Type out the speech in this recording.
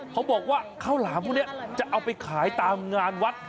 เขาบอกว่าข้าวหลามพวกนี้จะเอาไปขายตามงานวัด